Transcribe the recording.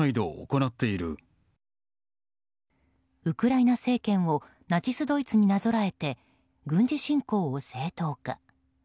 ウクライナ政権をナチスドイツになぞらえて軍事侵攻を正当化。